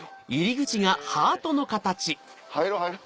入ろ入ろ。